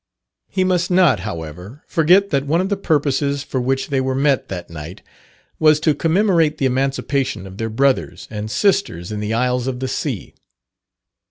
He must not, however, forget that one of the purposes for which they were met that night was to commemorate the emancipation of their brothers and sisters in the isles of the sea.